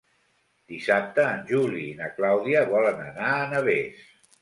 Dissabte en Juli i na Clàudia volen anar a Navès.